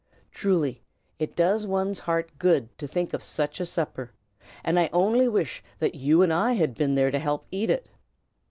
Truly, it does one's heart good to think of such a supper, and I only wish that you and I had been there to help eat it.